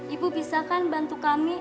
ibu bisa kan bantu kami